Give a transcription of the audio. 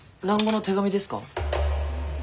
蘭語の手紙ですか？